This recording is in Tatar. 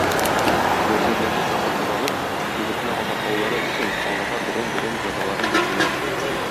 Вәзирләрне чакыртып алып, егетне азаплаулары өчен, аларга берәм-берәм җәзаларын бирделәр.